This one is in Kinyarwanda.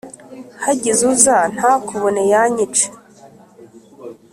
Hagize uza ntakubone yanyica